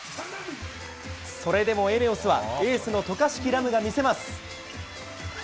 それでもＥＮＥＯＳはエースの渡嘉敷来夢が見せます。